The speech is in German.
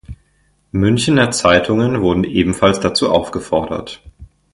Münchener Zeitungen wurden ebenfalls dazu aufgefordert.